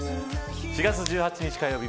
４月１８日火曜日